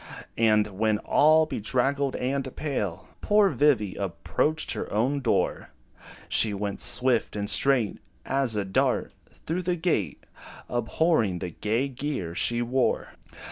And when, all bedraggled and pale, Poor Vivy approached her own door, She went, swift and straight As a dart, through the gate, Abhorring the gay gear she wore.